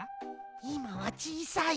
いまはちいさい。